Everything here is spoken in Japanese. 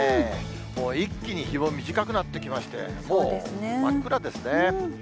もう一気に日も短くなってきまして、もう真っ暗ですね。